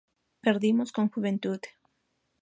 Perdimos con Juventud.